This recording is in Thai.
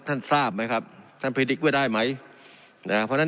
ท่านทราบไหมครับท่านพฤติกด้วยได้ไหมนะครับเพราะฉะนั้น